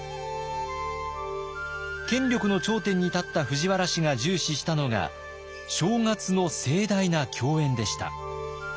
権力の頂点に立った藤原氏が重視したのが正月の盛大な饗宴でした。